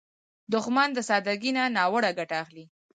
دښمن د سادګۍ نه ناوړه ګټه اخلي